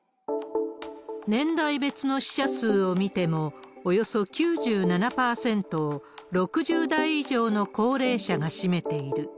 年代別の死者数を見ても、およそ９７％を６０代以上の高齢者が占めている。